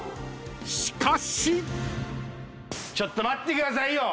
［しかし］ちょっと待ってくださいよ。